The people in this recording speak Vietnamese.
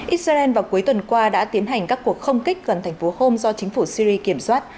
israel vào cuối tuần qua đã tiến hành các cuộc không kích gần thành phố home do chính phủ syri kiểm soát